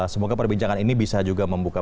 semoga perbincangan ini bisa juga membuka